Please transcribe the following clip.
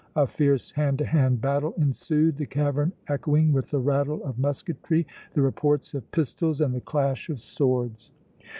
A fierce hand to hand battle ensued, the cavern echoing with the rattle of musketry, the reports of pistols and the clash of swords.